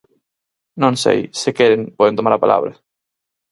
Non sei, se queren, poden tomar a palabra.